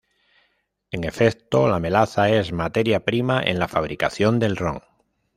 En efecto, la melaza es materia prima en la fabricación del ron.